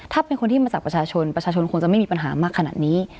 ถ้าเป็นคนที่มาจากประชาชนประชาชนคงจะไม่มีปัญหามากขนาดนี้